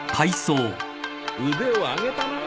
腕を上げたな日和！